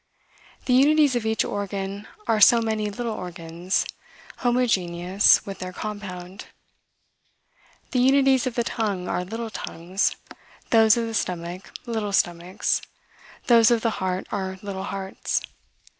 The unities of each organ are so many little organs, homogeneous with their compound; the unities of the tongue are little tongues; those of the stomach, little stomachs; those of the heart are little hearts.